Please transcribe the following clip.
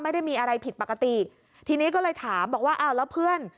ไม่ได้มีอะไรผิดปกติทีนี้ก็เลยถามบอกว่าอ้าวแล้วเพื่อน